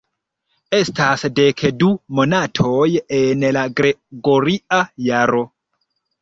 Estas dek du monatoj en la gregoria jaro.